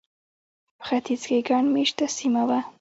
په ختیځ کې ګڼ مېشته سیمه وه.